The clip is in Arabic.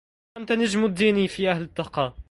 أنت نجم الدين في أهل التقى